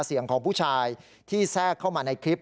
เสียงของผู้ชายที่แทรกเข้ามาในคลิป